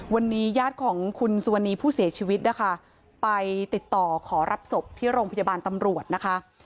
วันนี้ญาติของคุณสุวรรณีผู้เสียชีวิตนะคะไปติดต่อขอรับศพที่โรงพยาบาลตำรวจนะคะ